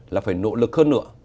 là phải nỗ lực hơn nữa